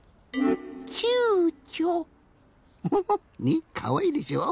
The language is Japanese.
ねっかわいいでしょ？